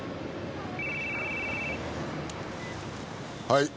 はい。